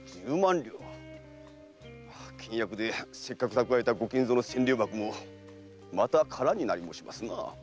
倹約でせっかく蓄えたご金蔵の千両箱もまた空になり申しますな。